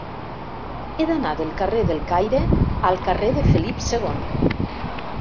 He d'anar del carrer del Caire al carrer de Felip II.